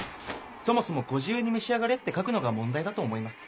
そもそも「ご自由に召し上がれ」って書くのが問題だと思います。